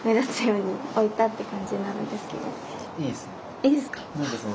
いいですか？